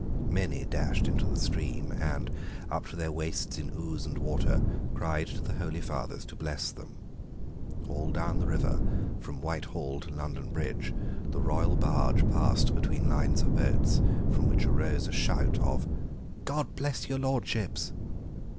Many dashed into the stream, and, up to their waists in ooze and water, cried to the holy fathers to bless them. All down the river, from Whitehall to London Bridge, the royal barge passed between lines of boats, from which arose a shout of "God bless your Lordships."